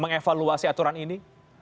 mengevaluasi aturan ini